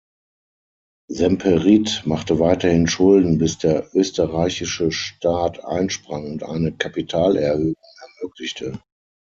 Semperit machte weiterhin Schulden, bis der österreichische Staat einsprang und eine Kapitalerhöhung ermöglichte.